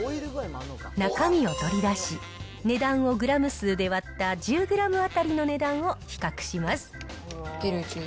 中身を取り出し、値段をグラム数で割った１０グラム当たりの値段を比較します。